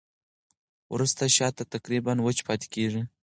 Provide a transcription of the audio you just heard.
وروسته شات تقریباً وچ پاتې کېږي.